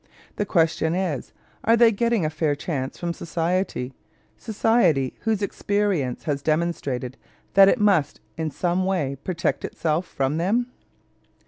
The question is, Are they getting a fair chance from society society whose experience has demonstrated that it must in some way protect itself from them?